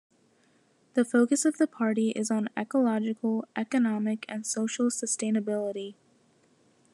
The focus of the party is on ecological, economic, and social sustainability.